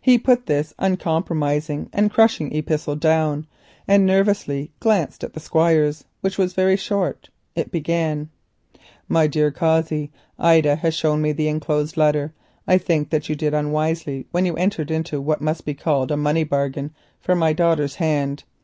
He put down this uncompromising and crushing epistle and nervously glanced at the Squire's, which was very short. "My dear Cossey," it began,— "Ida has shown me the inclosed letter. I think that you did unwisely when you entered into what must be called a money bargain for my daughter's hand.